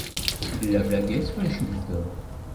Il la blaguait sur les chemises d'homme.